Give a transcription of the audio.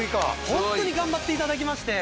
ホントに頑張って頂きまして。